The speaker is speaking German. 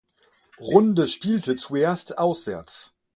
Runde spielte zuerst auswärts.